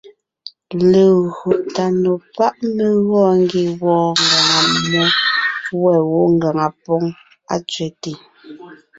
Legÿo tà nò pá’ mé gɔɔn ngie wɔɔn ngàŋa mmó, wὲ gwɔ́ ngàŋa póŋ á tsẅέte.